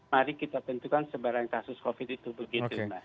mari kita tentukan sebarang kasus covid itu begitu mas